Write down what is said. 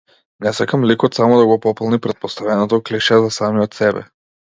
Не сакам ликот само да го пополни претпоставеното клише за самиот себе.